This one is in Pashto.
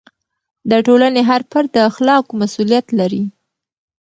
د ټولنې هر فرد د اخلاقو مسؤلیت لري.